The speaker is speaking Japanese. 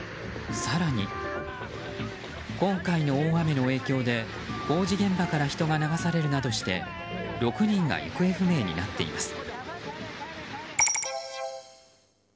更に今回の大雨の影響で工事現場から人が流されるなどして６人が行方不明になっています。